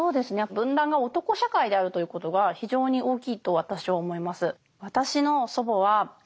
文壇が男社会であるということが非常に大きいと私は思います。